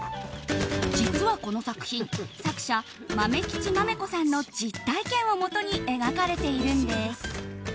実はこの作品、作者まめきちまめこさんの実体験をもとに描かれているんです。